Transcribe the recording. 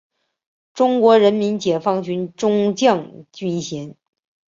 中国人民解放军中将军衔。